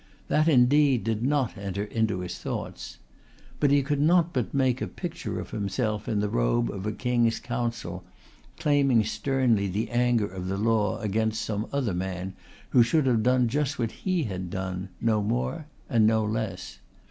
That indeed did not enter into his thoughts. But he could not but make a picture of himself in the robe of a King's Counsel, claiming sternly the anger of the Law against some other man who should have done just what he had done, no more and no less.